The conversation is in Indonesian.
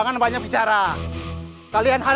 sampai jumpa di video selanjutnya